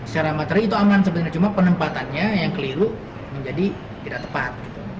secara materi itu aman sebenarnya cuma penempatannya yang keliru menjadi tidak tepat